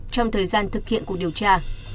trong thời gian thực hiện cuộc điều tra